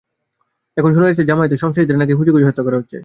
এখন শোনা যাচ্ছে, জামায়াতি সন্ত্রাসীদেরই নাকি খুঁজে খুঁজে হত্যা করা হচ্ছে।